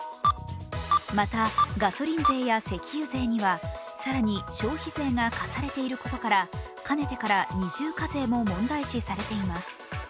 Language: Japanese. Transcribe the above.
また、ガソリン税や石油税には更に消費税が課されていることから、かねてから二重課税も問題視されています。